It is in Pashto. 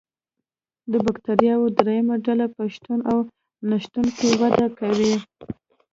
د بکټریاوو دریمه ډله په شتون او نشتون کې وده کوي.